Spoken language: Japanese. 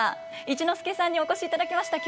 一之輔さんにお越しいただきました。